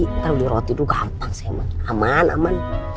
kalau beli roti tuh gampang sih emang aman aman